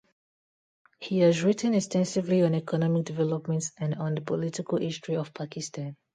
He has written extensively on economic development and on the political history of Pakistan.